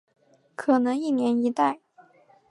可能一年一代。